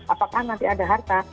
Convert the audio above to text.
apakah nanti ada harta